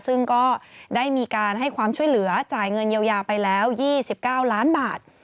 ซึ่งก็ได้มีการให้ความช่วยเหลือจ่ายเงินเยียวยาไปแล้ว๒๙ล้านบาท